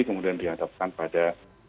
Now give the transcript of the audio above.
kemudian dihadapkan pada